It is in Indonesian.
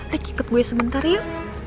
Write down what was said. rick ikut gue sebentar yuk